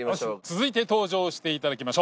続いて登場していただきましょう。